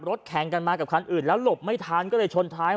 แข่งกันมากับคันอื่นแล้วหลบไม่ทันก็เลยชนท้าย